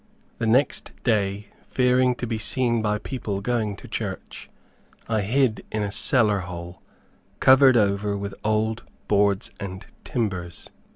The next day, fearing to be seen by people going to church, I hid in a cellar hole, covered over with old boards and timbers.